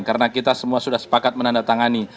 karena kita semua sudah sepakat menandatangani